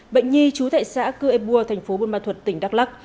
bệnh nhi trú tại xã cư ê bua thành phố buôn ma thuật tỉnh đắk lắc